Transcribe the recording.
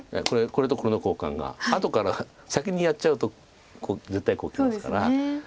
これとこれの交換が後から先にやっちゃうと絶対こうきますから。